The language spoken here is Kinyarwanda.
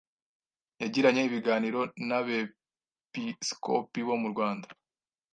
yagiranye ibiganiro n’abepiskopi bo mu Rwanda